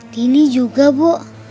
dini juga bu